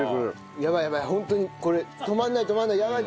やばいやばいホントにこれ止まんない止まんない。